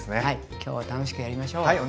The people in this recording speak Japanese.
はい今日は楽しくやりましょう。